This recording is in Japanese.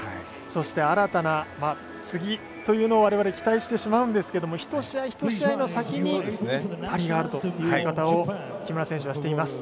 そして、新たな次というのを、われわれ期待してしまうんですけどもひと試合ひと試合の先にパリがあるという言い方を木村選手はしています。